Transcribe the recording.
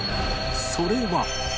それは